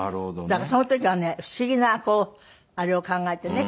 だからその時はね不思議なこうあれを考えてね。